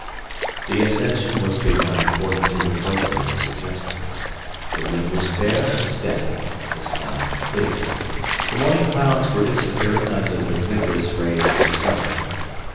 The ascension was begun according to the programme suggested. The wind was fair and steady; the sky clear; the morning clouds were disappearing under the vigorous rays of the sun.